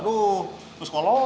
terus kok bergadang